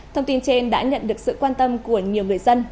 thông tin trên đã nhận được sự quan tâm của nhiều người dân